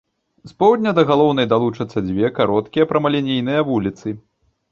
З поўдня да галоўнай далучаюцца дзве кароткія прамалінейныя вуліцы.